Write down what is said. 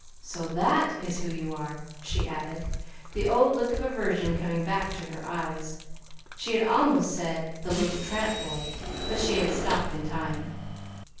So THAT is who you are," she added, the old look of aversion coming back to her eyes. She had almost said "the little tramp boy" but she had stopped in time.